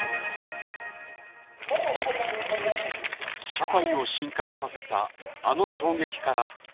社会を震撼させたあの衝撃から１年。